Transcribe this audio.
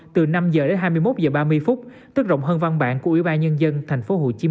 từ năm h đến hai mươi một h ba mươi phút tức rộng hơn văn bản của ủy ban nhân dân tp hcm